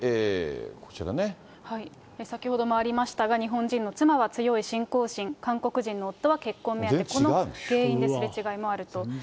先ほどもありましたが、日本人の妻は強い信仰心、韓国人の夫は結婚目当て、この原因ですれ違いもあると。